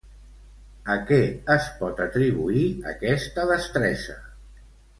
A què es pot atribuir aquesta destresa?